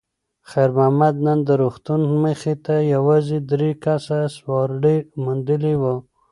خیر محمد نن د روغتون مخې ته یوازې درې کسه سوارلي موندلې وه.